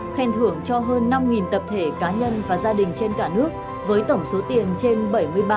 khen thưởng cho hơn năm tập thể cá nhân và gia đình trên cả nước với tổng số tiền trên bảy mươi ba tỷ đồng